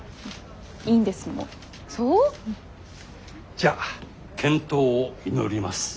じゃあ健闘を祈ります。